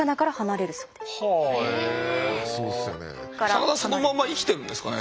魚そのまま生きてるんですかね？